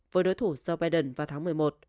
với đối thủ joe biden vào tháng một mươi một